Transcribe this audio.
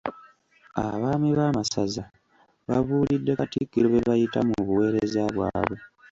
Abaami b'amasaza babuulidde Katikkiro bye bayitamu mu buweereza bwabwe.